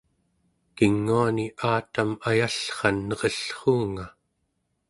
kinguani aatam ayallran nerellruunga